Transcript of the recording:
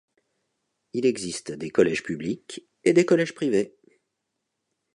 Il existe des collèges publics et des collèges privés.